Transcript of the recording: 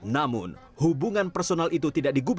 namun hubungan personal itu tidak digugat